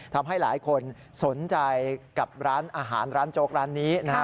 ทำให้หลายคนสนใจกับร้านอาหารร้านโจ๊กร้านนี้นะฮะ